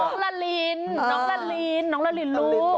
ลาลินน้องละลินน้องละลินลูก